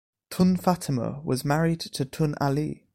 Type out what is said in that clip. Tun Fatimah was married to Tun Ali.